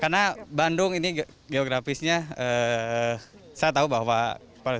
karena bandung adalah sebuah perjuangan yang saya lakukan untuk menghadapi pilkada di kabupaten ini